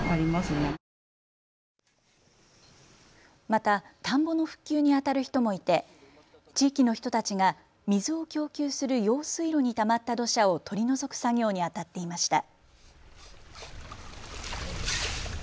また田んぼの復旧にあたる人もいて地域の人たちが水を供給する用水路にたまった土砂を取り除く作業にあたっていました。